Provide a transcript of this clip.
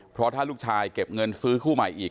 เพราะถ้าลูกชายเก็บเงินซื้อคู่ใหม่อีก